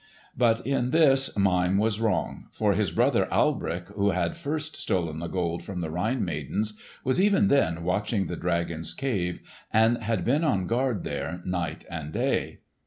But in this Mime was wrong, for his brother Alberich, who had first stolen the Gold from the Rhine maidens, was even then watching the dragon's cave and had been on guard there night and day.